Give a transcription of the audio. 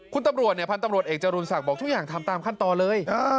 พันธ์ตำรวจเอกจรุณศักดิ์บอกทุกอย่างทำตามขั้นต่อเลย